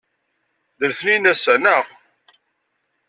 D letniyen ass-a, naɣ?